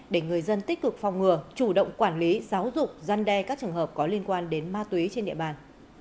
để người dân tích cực phòng ngừa chủ động quản lý giáo dục gian đe các trường hợp có liên quan đến ma túy trên địa bàn